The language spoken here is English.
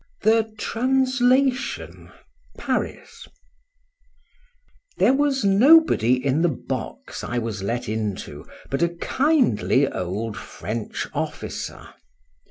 THE TRANSLATION. PARIS. THERE was nobody in the box I was let into but a kindly old French officer.